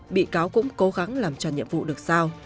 bị cáo cũng cố gắng làm cho nhiệm vụ được sao